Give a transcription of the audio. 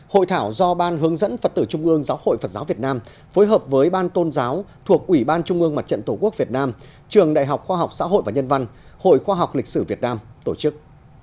hội thảo do ban hướng dẫn phật tử trung ương giáo hội phật giáo việt nam phối hợp với ban tôn giáo thuộc ủy ban trung ương mặt trận tổ quốc việt nam trường đại học khoa học xã hội và nhân văn hội khoa học lịch sử việt nam tổ chức